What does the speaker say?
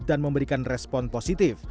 dan memberikan respon positif